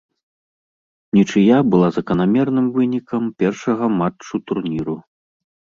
Нічыя была заканамерным вынікам першага матчу турніру.